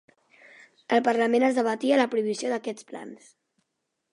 Al parlament es debatia la prohibició d'aquests plans.